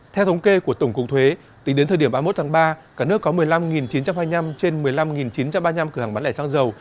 theo thống kê của tổng cục thuế tính đến thời điểm ba mươi một tháng ba cả nước có một mươi năm chín trăm hai mươi năm trên một mươi năm chín trăm ba mươi năm cửa hàng bán lẻ xăng dầu